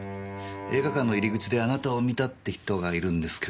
映画館の入り口であなたを見たって人がいるんですけれども。